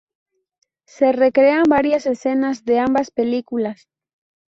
Se recrean varias escenas de ambas películas.